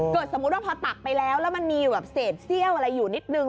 สมมุติว่าพอตักไปแล้วแล้วมันมีแบบเศษเซี่ยวอะไรอยู่นิดนึง